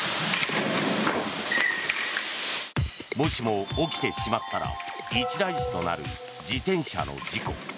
もしも起きてしまったら一大事となる自転車の事故。